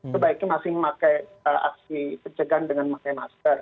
sebaiknya masih memakai aksi pencegahan dengan memakai masker